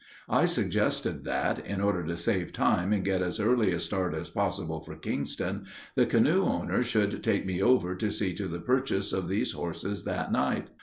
I suggested that, in order to save time and get as early a start as possible for Kingston, the canoe owner should take me over to see to the purchase of these horses that night.